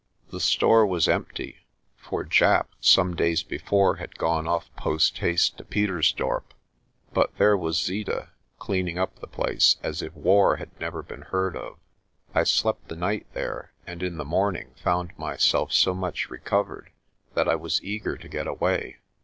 The store was empty, for Japp some days before had gone off posthaste to Pietersdorp; but there was Zeeta cleaning up the place as if war had never been heard of. I slept the night there, and in the morn ing found myself so much recovered that I was eager to get away.